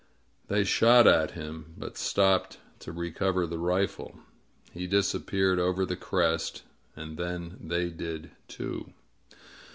They shot at him, but stopped to recover the rifle. He disap peared over the crest, and then they did, too.